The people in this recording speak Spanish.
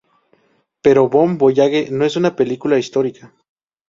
Pero "Bon voyage" no es una película "histórica".